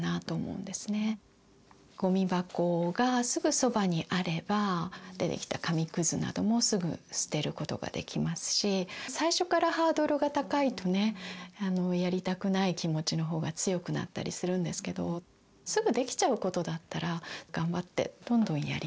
ゴミ箱がすぐそばにあれば出てきた紙くずなどもすぐ捨てることができますし最初からハードルが高いとねやりたくない気持ちの方が強くなったりするんですけどすぐできちゃうことだったら頑張ってどんどんやりますよね